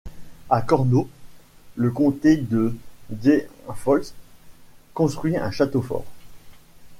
À Cornau, le comté de Diepholz construit un château-fort.